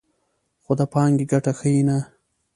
خو د پانګې ګټه ښیي نه